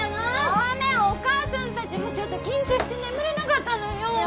ごめんお母さん達もちょっと緊張して眠れなかったのよね